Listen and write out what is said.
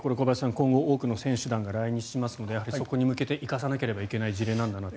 今後、多くの選手団が来日しますので、そこに向けて生かさなければいけない事例なんだなと。